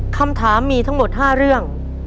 คำถามมีทั้งหมด๕เรื่อง